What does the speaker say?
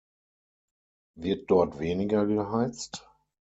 Wird dort weniger geheizt?